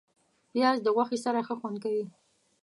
پیاز د غوښې سره ښه خوند کوي